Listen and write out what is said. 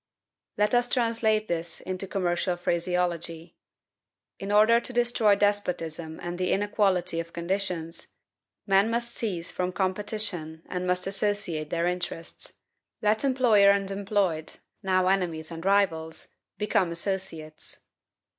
Let us translate this into commercial phraseology. In order to destroy despotism and the inequality of conditions, men must cease from competition and must associate their interests. Let employer and employed (now enemies and rivals) become associates.